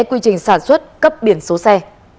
quy trình sản xuất cấp biển số xe